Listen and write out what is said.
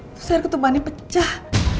terus air ketumbang ini pecah